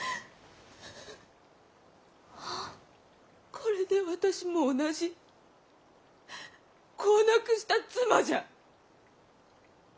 これで私も同じ子を亡くした妻じゃ。